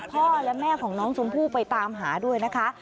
พ่อและแม่ของน้องชมพู่ไปตามหาด้วยนะคะ